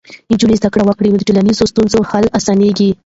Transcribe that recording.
نجونې زده کړه وکړي، نو د ټولنیزو ستونزو حل اسانېږي.